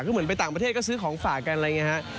คือเหมือนไปต่างประเทศก็ซื้อของฝากกันอะไรอย่างนี้ฮะ